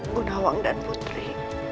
bu nawang dan putri